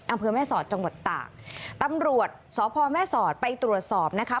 อำเภอแม่สอดจังหวัดตากตำรวจสพแม่สอดไปตรวจสอบนะคะ